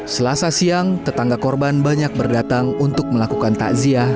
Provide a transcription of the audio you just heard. selasa siang tetangga korban banyak berdatang untuk melakukan takziah